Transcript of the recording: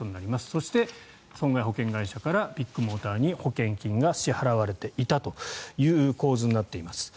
そして、損害保険会社からビッグモーターに保険金が支払われていたという構図になっています。